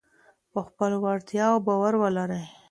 په خپلو وړتیاوو باور ولرئ.